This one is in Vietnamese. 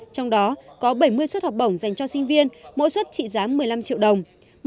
trong đó có bảy mươi suất học bổng dành cho sinh viên mỗi suất trị giá một mươi năm triệu đồng